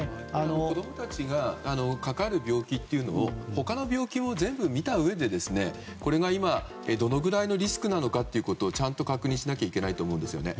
子供たちがかかる病気というのを他の病気を全部見たうえでこれが今どのぐらいのリスクなのかというところをちゃんと確認しなきゃいけないと思うんですよね。